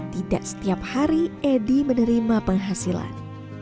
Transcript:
tidak setiap hari edy menerima penghasilan